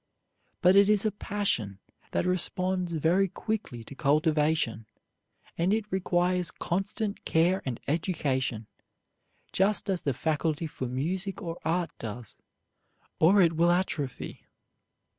But it is a passion that responds very quickly to cultivation, and it requires constant care and education, just as the faculty for music or art does, or it will atrophy.